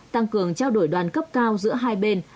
tăng cường trao đổi đoàn cấp cao giữa hai bên